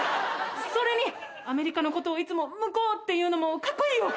それにアメリカの事をいつも「向こう」って言うのもかっこいいよ。